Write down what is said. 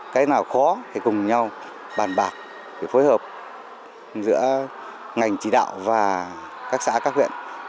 cái nào khó thì cùng nhau bàn bạc để phối hợp giữa ngành chỉ đạo và các xã các huyện